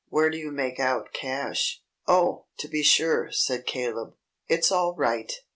"Where do you make out 'cash'?" "Oh! To be sure!" said Caleb. "It's all right.